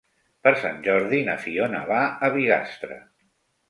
Per Sant Jordi na Fiona va a Bigastre.